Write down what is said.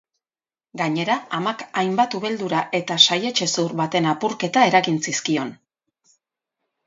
Gainera, amak hainbat ubeldura eta saihets-hezur baten apurketa eragin zizkion.